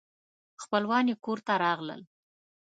خپلوان یې کور ته راغلل.